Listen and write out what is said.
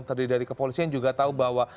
terdiri dari kepolisian juga tahu bahwa